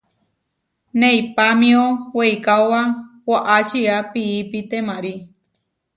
Neipámio weikaóba waʼá čiá piipi temári.